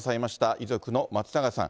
遺族の松永さん。